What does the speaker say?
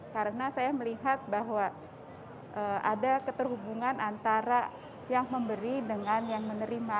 karena saya melihat bahwa ada keterhubungan antara yang memberi dengan yang menerima